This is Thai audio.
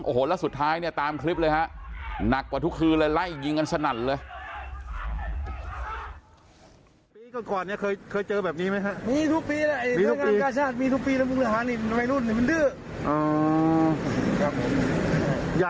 โอ้โหแล้วสุดท้ายเนี่ยตามคลิปเลยฮะหนักกว่าทุกคืนเลยไล่ยิงกันสนั่นเลย